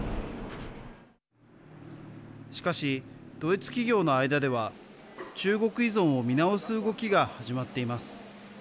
しかし、ドイツ企業の間では中国依存を見直す動きが始まっています。